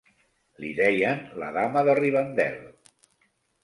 Li deien la dama de Rivendel.